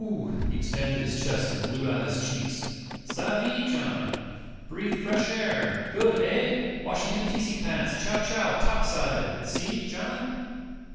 He expanded his chest and blew out his cheeks. "Savee, John? Breathe fresh air. Good. Eh? Washee him piecie pants, chow chow top side see, John?"